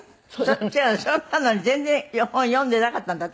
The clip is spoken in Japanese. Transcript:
それなのに全然本読んでなかったんだって？